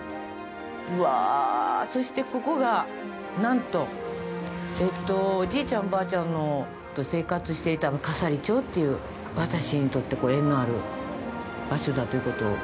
うわあ、そしてここが、なんとおじいちゃん、おばあちゃんの生活していた笠利町という私にとって縁のある場所だということを。